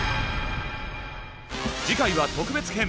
次回は特別編。